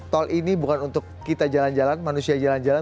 tol ini bukan untuk kita jalan jalan manusia jalan jalan